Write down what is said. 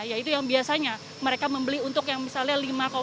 yaitu yang biasanya mereka membeli untuk yang misalnya lima lima kg ataupun dua belas kg